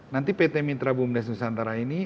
nanti pt mitra bumdes nusantara ini